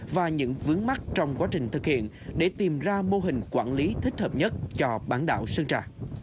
và những vướng mắt trong quá trình thực hiện để tìm ra mô hình quản lý thích hợp nhất cho bán đảo sơn trà